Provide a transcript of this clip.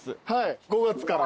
５月から。